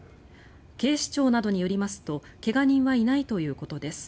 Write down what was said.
警視庁などによりますと怪我人はいないということです。